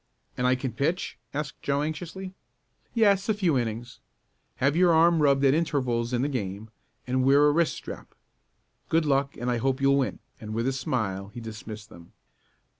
"And I can pitch?" asked Joe anxiously. "Yes, a few innings. Have your arm rubbed at intervals in the game, and wear a wrist strap. Good luck and I hope you'll win," and with a smile he dismissed them.